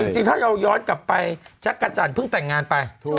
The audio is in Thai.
จริงถ้าเราย้อนกลับไปจักรจันทร์เพิ่งแต่งงานไป